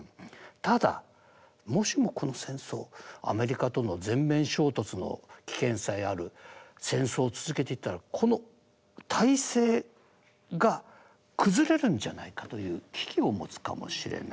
ただもしもこの戦争アメリカとの全面衝突の危険性ある戦争を続けていったらこの体制が崩れるんじゃないかという危機を持つかもしれない。